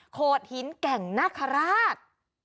โคทินแก่งนาคาราศ